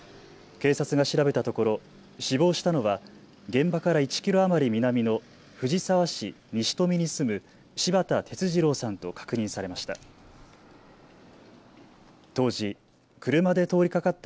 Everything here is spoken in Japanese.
警察が調べたところ死亡したのは現場から１キロ余り南の藤沢市西富に住む柴田哲二郎さんと確認されました。